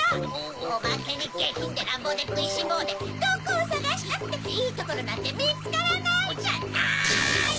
おまけにげひんでらんぼうでくいしんぼうでどこをさがしたっていいところなんてみつからないじゃない！